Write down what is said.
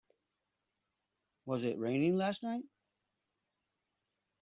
Was it raining last night?